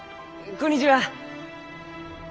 こんにちは。